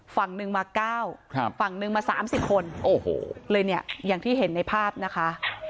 ฝั่งหนึ่งมา๙ฝั่งหนึ่งมา๓๐คนอย่างที่เห็นในภาพนะคะ